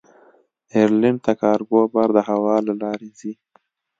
ایرلنډ ته کارګو بار د هوا له لارې ځي.